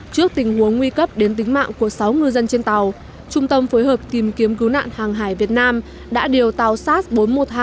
trước tình huống nguy cấp đến tính mạng của sáu ngư dân trên tàu trung tâm phối hợp tìm kiếm cứu nạn hàng hải việt nam đã điều tàu sass bốn trăm một mươi hai